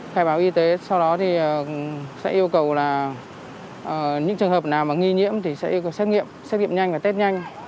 khai báo y tế sau đó thì sẽ yêu cầu là những trường hợp nào mà nghi nhiễm thì sẽ có xét nghiệm xét nghiệm nhanh và test nhanh